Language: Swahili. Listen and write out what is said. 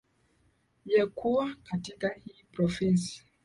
ye kuwa katika hii province